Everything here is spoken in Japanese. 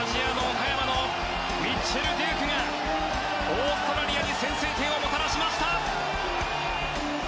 岡山のミッチェル・デュークがオーストラリアに先制点をもたらしました！